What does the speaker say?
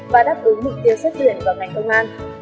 và đáp ứng mục tiêu xét tuyển vào ngành công an